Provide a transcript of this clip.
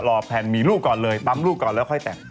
แพลนมีลูกก่อนเลยปั๊มลูกก่อนแล้วค่อยแต่ง